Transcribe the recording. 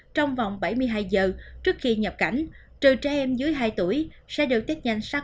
trong vòng bảy mươi hai giờ trước khi nhập cảnh trừ trẻ em dưới hai tuổi sẽ được tết nhanh sắc